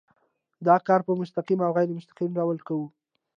دا کار په مستقیم او غیر مستقیم ډول کوي.